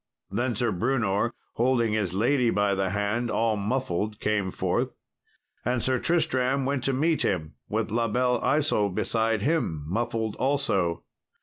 Then Sir Brewnor, holding his lady by the hand, all muffled, came forth, and Sir Tristram went to meet him with La Belle Isault beside him, muffled also.